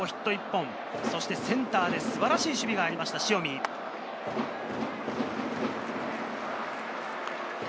そして今日ヒット１本、そしてセンターで素晴らしい守備がありました、塩見。